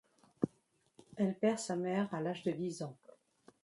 Elle perd sa mère à l'âge de dix ans.